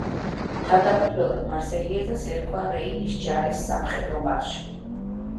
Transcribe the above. თავდაპირველად მარსელიეზას ერქვა „რეინის ჯარის სამხედრო მარში“.